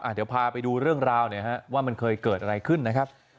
เดี๋ยวพาไปดูเรื่องราวว่ามันเคยเกิดอะไรขึ้นนะครับ